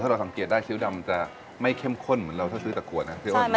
เราสังเกตได้คิ้วดำจะไม่เข้มข้นเหมือนเราถ้าซื้อตะกรวดนะ